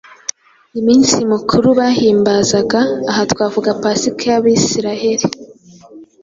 Iminsi mikuru bahimbazaga ; aha twavuga Pasika y‟abayisiraheli